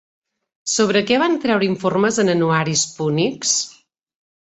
Sobre què van treure informes en anuaris púnics?